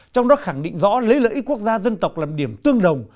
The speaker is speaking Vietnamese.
trong đó khẳng định rõ lấy lợi ích quốc gia dân tộc làm điểm tương đồng